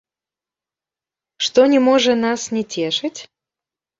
Што не можа нас не цешыць?